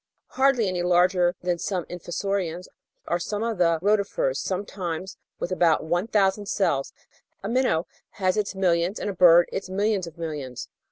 Hardly any larger than some Infusorians are some of the Rotifers, sometimes with about 1,000 cells; a minnow has its millions, and a bird its millions of millions.